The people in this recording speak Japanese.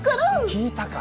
聞いたか？